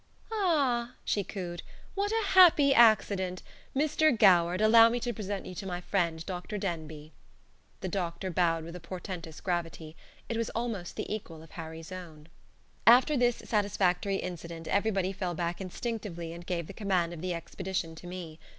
"Ah?" she cooed. "What a happy accident! Mr. Goward, allow me to present you to my friend Dr. Denbigh." The doctor bowed with a portentous gravity. It was almost the equal of Harry's own. After this satisfactory incident everybody fell back instinctively and gave the command of the expedition to me.